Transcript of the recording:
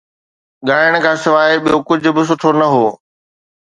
ڳائڻ کان سواءِ ٻيو ڪجهه به سٺو نه هو